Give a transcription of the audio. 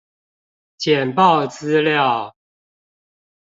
簡報資料